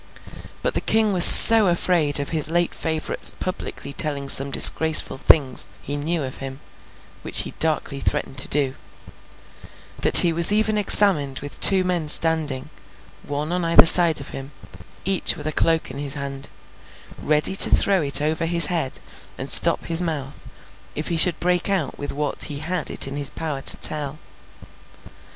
But, the King was so afraid of his late favourite's publicly telling some disgraceful things he knew of him—which he darkly threatened to do—that he was even examined with two men standing, one on either side of him, each with a cloak in his hand, ready to throw it over his head and stop his mouth if he should break out with what he had it in his power to tell.